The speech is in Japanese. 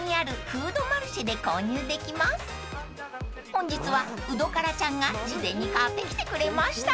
［本日はウドカラちゃんが事前に買ってきてくれました］